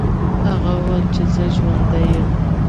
هغه وویل چې زه ژوندی یم.